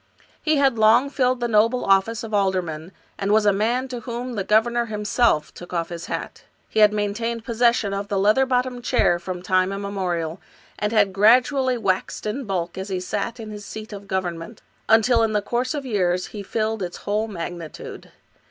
He had long filled the noble office of alderman, and was a man to whom the governor himself took off his hat. He had maintained possession of the leather bottomed chair from time immemorial, and had gradually waxed in bulk as he sat in his seat of government, until in the course of years he filled its whole magnitude.